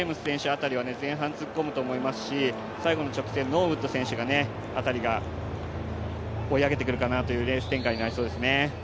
辺りは前半突っ込むと思いますし、最後の直線、ノーウッド選手あたりが追い上げてくるかなというレース展開になりそうですね。